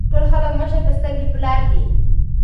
ټول خلک مشر ته سترګې پۀ لار دي ـ